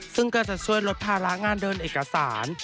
ซึ่งก็จะช่วยลดภาระงานเดินเอกสาร